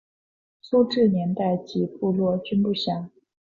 初置年代及部落均不详。